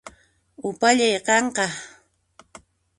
Upallay qanqa